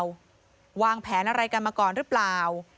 วางแผนอะไรกันมาก่อนหรือเปล่า